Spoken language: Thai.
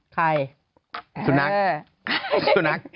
ใครสุนัข